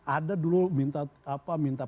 ada dulu minta apa minta